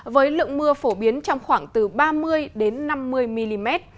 với lượng mưa phổ biến trong khoảng từ ba mươi năm mươi mm